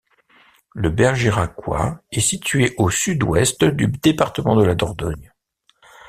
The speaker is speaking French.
Le Bergeracois est situé au sud-ouest du département de la Dordogne.